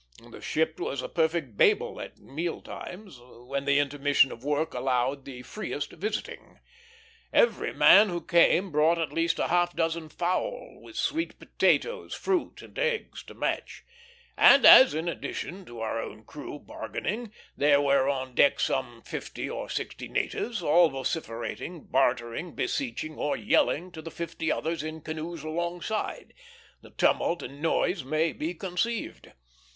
The ship was a perfect Babel at meal times, when the intermission of work allowed the freest visiting. Every man who came brought at least a half dozen fowl, with sweet potatoes, fruit, and eggs, to match; and as, in addition to our own crew bargaining, there were on the deck some fifty or sixty natives, all vociferating, bartering, beseeching, or yelling to the fifty others in canoes alongside, the tumult and noise may be conceived.